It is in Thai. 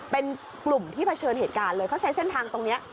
เป็นกลุ่มที่เผชิญเหตุการณ์เลยเขาใช้เส้นทางตรงนี้